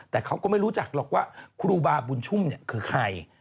แต่เขาก็ไม่รู้จักหรอกว่าครูบาบุญชุ่มคือใคร